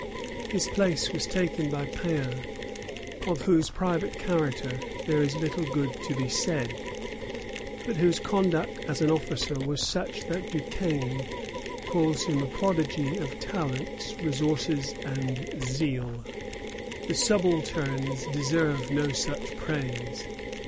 His place was taken by Péan, of whose private character there is little good to be said, but whose conduct as an officer was such that Duquesne calls him a prodigy of talents, resources, and zeal. The subalterns deserve no such praise.